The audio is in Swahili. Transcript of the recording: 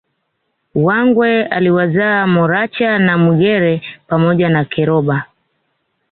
Wangwe aliwazaa Moracha na Mwirege pamoja na Keroba